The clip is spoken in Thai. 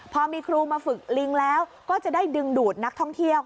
พอมีครูมาฝึกลิงแล้วก็จะได้ดึงดูดนักท่องเที่ยว